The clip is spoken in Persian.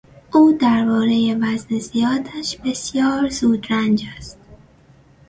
او دربارهی وزن زیادش بسیار زود رنج است.